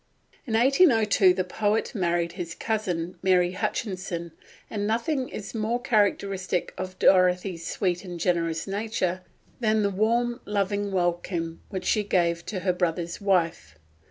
In 1802 the poet married his cousin, Mary Hutchinson, and nothing is more characteristic of Dorothy's sweet and generous nature than the warm, loving welcome which she gave to her brother's wife.